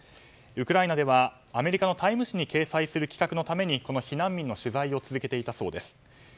ウクライナではアメリカの「タイム」誌に掲載する企画のためにこの避難民の取材を続けていたそうです。